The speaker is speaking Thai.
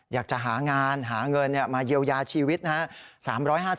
อยากจะหางานหาเงินมาเยียวยาชีวิตนะครับ